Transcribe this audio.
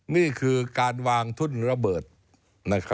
นี่คือการวางทุ่นระเบิดนะครับ